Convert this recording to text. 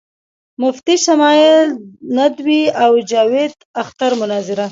مفتی شمائل ندوي او جاوید اختر مناظره